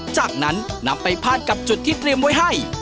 จากนั้นนำไปพาดกับจุดที่เตรียมไว้ให้